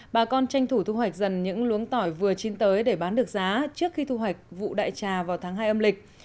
bà con tranh thủ thu hoạch dần những luống tỏi vừa chín tới để bán được giá trước khi thu hoạch vụ đại trà vào tháng hai âm lịch